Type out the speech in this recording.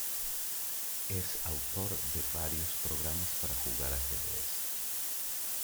Es autor de varios programas para jugar ajedrez.